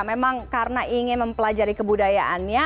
memang karena ingin mempelajari kebudayaannya